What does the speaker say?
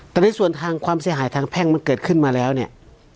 แต่ในส่วนทางความเสียหายทางแพ่งมันเกิดขึ้นมาแล้วเนี่ย